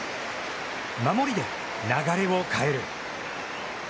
守りで流れを変える！